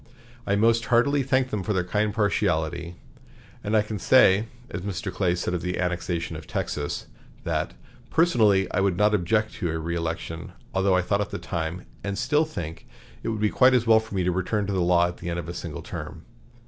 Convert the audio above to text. I most heartily thank them for their kind partiality; and I can say, as Mr. Clay said of the annexation of Texas, that 'personally I would not object' to a reëlection, although I thought at the time, and still think, it would be quite as well for me to return to the law at the end of a single term.